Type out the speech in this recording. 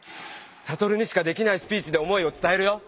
サトルにしかできないスピーチで思いを伝えるよ！